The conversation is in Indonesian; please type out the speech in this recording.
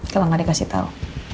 kalo gak dikasih tau